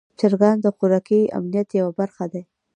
چرګان د خوراکي امنیت یوه برخه دي.